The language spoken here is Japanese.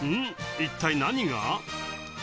一体何が？